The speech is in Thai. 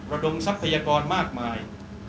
ระดมทรัพยากรมากมาย